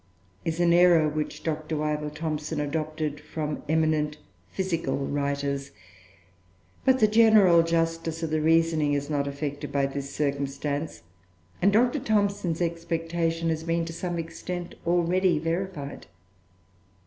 is an error, which Dr. Wyville Thomson adopted from eminent physical writers; but the general justice of the reasoning is not affected by this circumstance, and Dr. Thomson's expectation has been, to some extent, already verified.